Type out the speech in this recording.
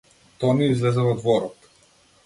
Тони излезе во дворот.